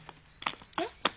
えっ？